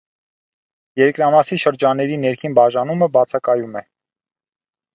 Երկրամասի շրջանների ներքին բաժանումը բացակայում է։